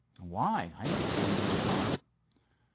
"Why? I never did him any harm."